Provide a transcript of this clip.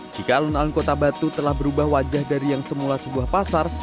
jika alun alun kota batu telah berubah wajah dari yang semula sebuah pasar